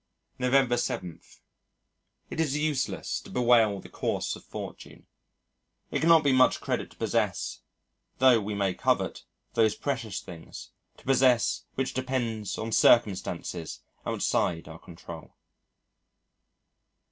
November 7. It is useless to bewail the course of fortune. It cannot be much credit to possess though we may covet those precious things, to possess which depends on circumstances outside our control.